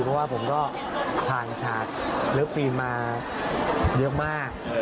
เพราะว่าผมก็ผ่านฉากเลิฟฟิล์มมาเยอะมาก